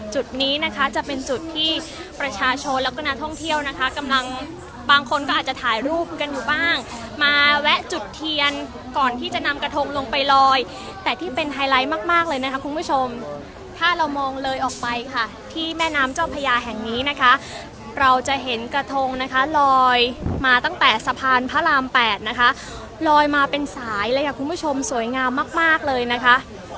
จุดนี้นะคะจะเป็นจุดที่ประชาชนแล้วก็นักท่องเที่ยวนะคะกำลังบางคนก็อาจจะถ่ายรูปกันอยู่บ้างมาแวะจุดเทียนก่อนที่จะนำกระทงลงไปลอยแต่ที่เป็นไฮไลท์มากมากเลยนะคะคุณผู้ชมถ้าเรามองเลยออกไปค่ะที่แม่น้ำเจ้าพญาแห่งนี้นะคะเราจะเห็นกระทงนะคะลอยมาตั้งแต่สะพานพระราม๘นะคะลอยมาเป็นสายเลยค่ะคุณผู้ชมสวยงามมากมากเลยนะคะ